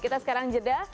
kita sekarang jeda